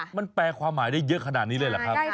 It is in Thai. มันแปลความหมายได้เยอะขนาดนี้เลยเหรอครับ